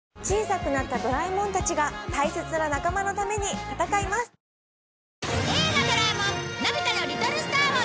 小さくなったドラえもんたちが大切な仲間のために戦います。